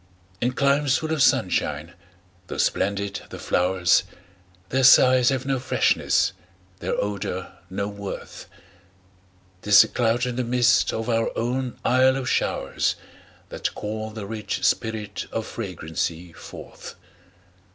In climes full of sunshine, tho' splendid the flowers, Their sighs have no freshness, their odor no worth; 'Tis the cloud and the mist of our own Isle of showers, That call the rich spirit of fragrancy forth.